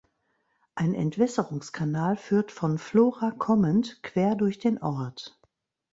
Ein Entwässerungskanal führt von Vlora kommend quer durch den Ort.